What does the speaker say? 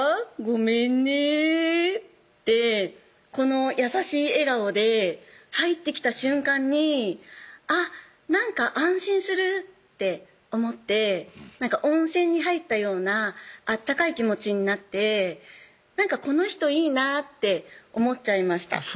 ごめんね」ってこの優しい笑顔で入ってきた瞬間にあっなんか安心するって思って温泉に入ったような温かい気持ちになってこの人いいなって思っちゃいました